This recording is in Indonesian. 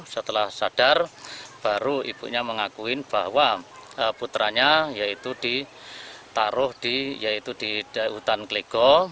setelah sadar baru ibunya mengakuin bahwa putranya yaitu ditaruh yaitu di hutan klego